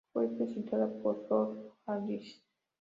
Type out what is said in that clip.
Fue presentada por Rolf Harris.